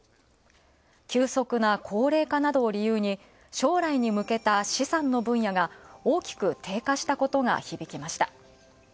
急速な高齢化などを理由に将来に向けた試算の分野が大きく低下したことが響きました。